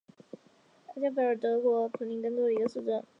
弗拉尔夏伊姆是德国图林根州的一个市镇。